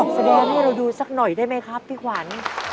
แสดงให้เราดูสักหน่อยได้ไหมครับพี่ขวัญ